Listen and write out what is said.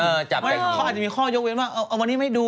เขาอาจจะมีข้อยกเว้นว่าเอาวันนี้ไม่ดู